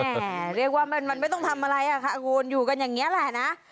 แหมเรียกว่ามันไม่ต้องทำอะไรอยู่กันอย่างนี้แหละนะ